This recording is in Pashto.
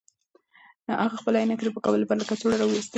هغه خپلې عینکې د پاکولو لپاره له کڅوړې راویستې.